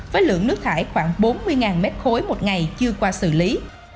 với lượng nước thải khoảng bốn mươi mét khối một ngày chưa qua xử lý